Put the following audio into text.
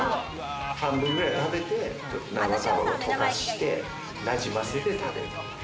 半分くらい食べて、生卵を溶かして、なじませて食べる。